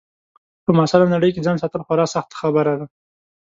په معاصره نړۍ کې ځان ساتل خورا سخته خبره ده.